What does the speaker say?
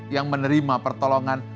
yang menerima pertolongan